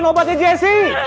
ada orang yanggas